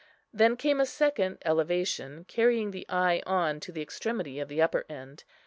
Then came a second elevation, carrying the eye on to the extremity of the upper end.